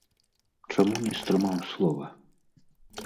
Чаму не стрымаў слова?